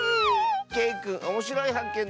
けいくんおもしろいはっけん